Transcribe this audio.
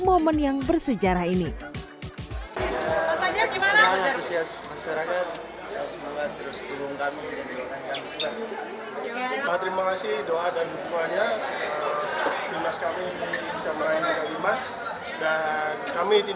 momen yang bersejarah ini setelah atusias masyarakat semoga terus dukung kami dan